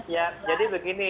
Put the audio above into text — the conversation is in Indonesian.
ya jadi begini